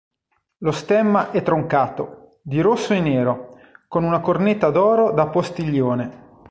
Lo stemma è troncato, di rosso e nero, con una cornetta d'oro da postiglione.